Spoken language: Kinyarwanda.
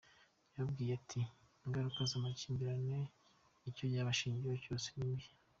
Yababwiye ati :"Ingaruka z’amakimbirane, icyo yaba ashingiyeho cyose, ni mbi.